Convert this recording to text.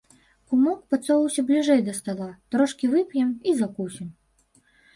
Кумок, падсоўвайся бліжэй да стала, трошкі вып'ем і закусім.